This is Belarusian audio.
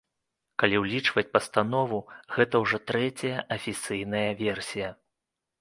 Калі ўлічваць пастанову, гэта ўжо трэцяя афіцыйная версія.